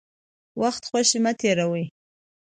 وخت خوشي مه تېروئ.